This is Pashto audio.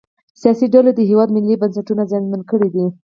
سیاسي ډلو د هیواد ملي بنسټونه زیانمن کړي دي